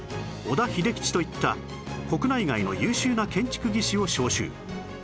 小田秀吉といった国内外の優秀な建築技師を招集